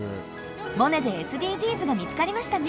「モネ」でＳＤＧｓが見つかりましたね！